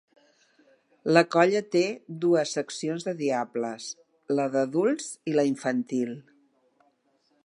La colla té dues seccions de diables, la d'adults i la infantil.